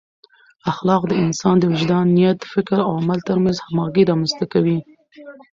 اخلاق د انسان د وجدان، نیت، فکر او عمل ترمنځ همغږي رامنځته کوي.